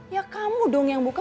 ya kamu dong yang buka